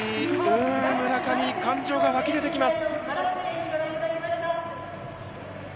村上、感情が湧き出てきます。